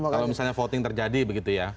kalau misalnya voting terjadi begitu ya